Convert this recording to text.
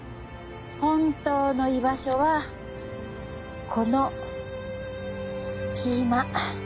本当の居場所はこの隙間。